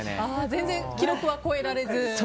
全然、記録は超えられず？